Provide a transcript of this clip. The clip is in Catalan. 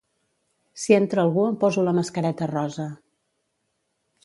Si entra algú em poso la mascareta rosa